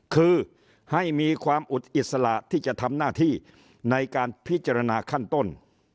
คือให้มีความอุดอิสระที่จะทำหน้าที่ในการพิจารณาขั้นต้น